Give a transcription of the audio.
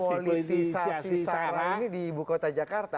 politisasi sarah ini di ibu kota jakarta